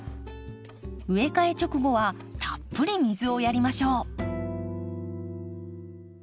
植え替え直後はたっぷり水をやりましょう。